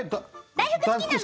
大好きなの！